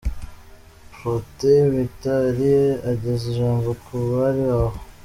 Protais Mitali ageza ijambo ku bari aho.